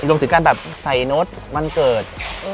รวมจากการใส่โน๊ตวันเกิด